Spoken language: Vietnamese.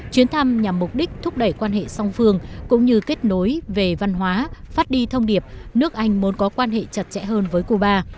chuyến thăm nhằm mục đích thúc đẩy quan hệ song phương cũng như kết nối về văn hóa phát đi thông điệp nước anh muốn có quan hệ chặt chẽ hơn với cuba